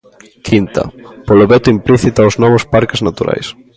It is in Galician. Quinta: polo veto implícito aos novos parques naturais.